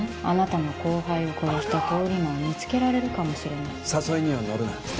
あなたの後輩を殺した通り魔を見つけられるかもしれない誘いには乗るな・